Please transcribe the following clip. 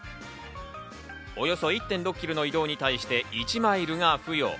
およそ１．６ｋｍの移動に対して１マイルが付与。